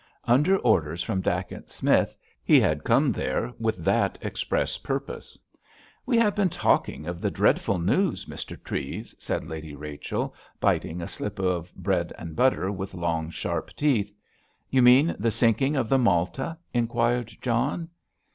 Under orders from Dacent Smith he had come there with that express purpose. "We have been talking of the dreadful news, Mr. Treves," said Lady Rachel, biting a slip of bread and butter with long sharp teeth. "You mean the sinking of the Malta?" inquired John.